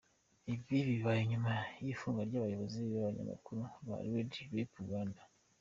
Ibi bibaye nyuma yifungwa ry’abayobozi n’abanyamakuru ba Red pepper Uganda.